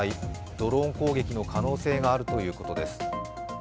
ドローン攻撃の可能性があるということです。